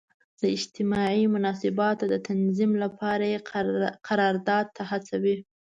د اجتماعي مناسباتو د تنظیم لپاره یې قرارداد ته هڅوي.